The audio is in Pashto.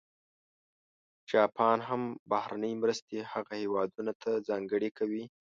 جاپان هم بهرنۍ مرستې هغه هېوادونه ته ځانګړې کوي.